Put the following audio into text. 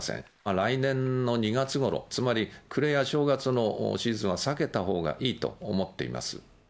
来年の２月ごろ、つまり暮れや正月のシーズンは避けた方がいいと思っています。